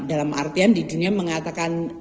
dalam artian di dunia mengatakan